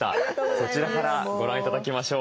こちらからご覧頂きましょう。